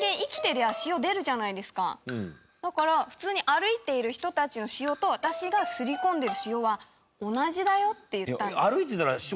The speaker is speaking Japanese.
塩ってでもだから普通に歩いている人たちの塩と私がすり込んでる塩は同じだよって言ったんです。